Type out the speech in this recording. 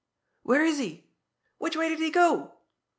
"Where is he?... Which way did he go?...